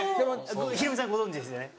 ヒロミさんご存じですよね。